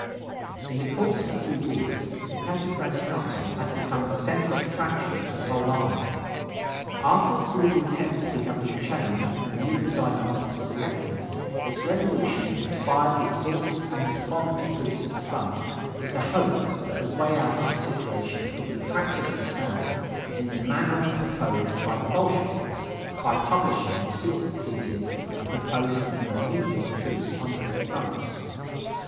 In the course of a few weeks the Petrograd Council had become the center of attraction for the whole army. After its leading tendency had been changed and new presiding officers elected, its resolutions inspired the exhausted and despondent troops at the front with the hope that the way out of the situation could be practically found in the manner proposed by the Bolsheviks: by publishing the secret treaties and proposing an immediate truce on all fronts.